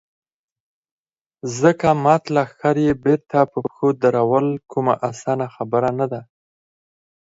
ځکه مات لښکر يې بېرته په پښو درول کومه اسانه خبره نه ده.